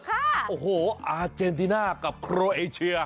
โอ้โหอาเจนติน่ากับโครเอเชีย